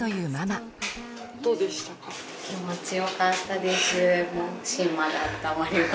気持ちよかったです。